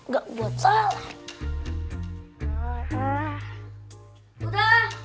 gak buat salah